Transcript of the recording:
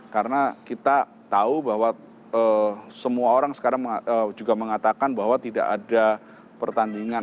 karena kita tahu bahwa semua orang sekarang juga mengatakan bahwa tidak ada pertandingan